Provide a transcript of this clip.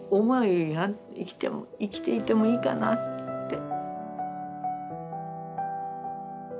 生きても生きていてもいいかなって。